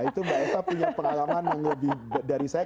itu mbak eva punya pengalaman yang lebih dari saya